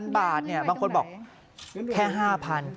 ๕๐๐๐บาทบางคนบอกแค่๕พัน